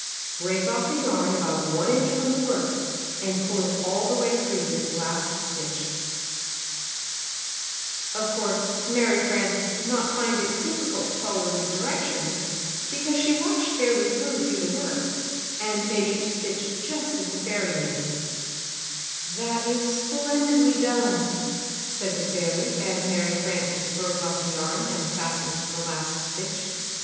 Break off the yarn about 1 inch from the work, and pull it all the way through this last stitch. I Look at Broud Crew Ska 168 Knitting and Crocheting Book ''Good Of course, Mary Frances did not find it difficult to follow these directions, because she watched Fairh^ Flew do the work and made each stitch just as the fairy made it. "That is splendidly done," said the fairy as Mary Frances broke off the yarn and fastened the last stitch.